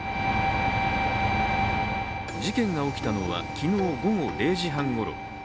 事件が起きたのは昨日午後０時半ごろ。